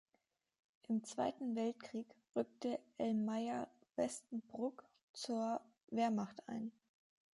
Im Zweiten Weltkrieg rückte Elmayer-Vestenbrugg zur Wehrmacht ein.